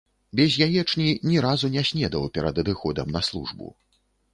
Без яечні ні разу не снедаў перад адыходам на службу.